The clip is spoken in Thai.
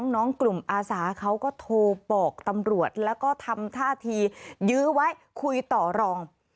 น้องกลุ่มอาสาเขาก็โทรบอกตำรวจแล้วก็ทำท่าทียื้อไว้คุยต่อรอง